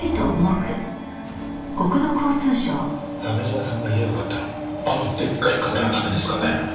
鮫島さんが家を買ったのあのでっかいカメのためですかね？